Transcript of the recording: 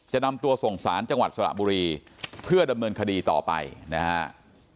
นำตัวส่งสารจังหวัดสระบุรีเพื่อดำเนินคดีต่อไปนะครับ